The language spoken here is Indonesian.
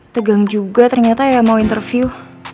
tegang juga ternyata ya mau interview